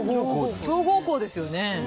強豪校ですよね。